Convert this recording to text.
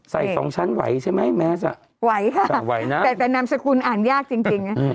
ใส่๒ชั้นไหวใช่ไหมแม้จะไหวค่ะแต่นามสกุลอ่านยากจริง